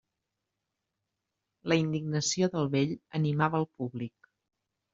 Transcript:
La indignació del vell animava el públic.